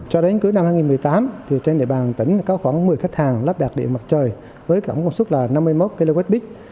cho đến cứ năm hai nghìn một mươi tám trên đại bàn tỉnh có khoảng một mươi khách hàng lắp đặt điện mặt trời với cộng sức là năm mươi một kwh